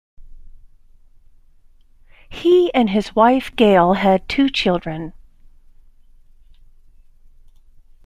He and his wife Gail had two children.